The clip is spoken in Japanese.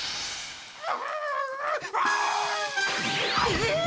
えっ！